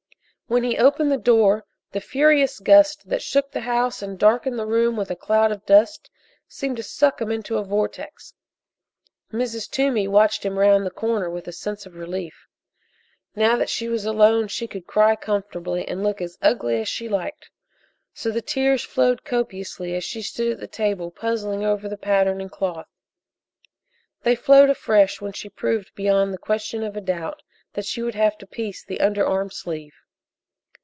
When he opened the door the furious gust that shook the house and darkened the room with a cloud of dust seemed to suck him into a vortex. Mrs. Toomey watched him round the corner with a sense of relief. Now that she was alone she could cry comfortably and look as ugly as she liked, so the tears flowed copiously as she stood at the table puzzling over the pattern and cloth. They flowed afresh when she proved beyond the question of a doubt that she would have to piece the under arm sleeve.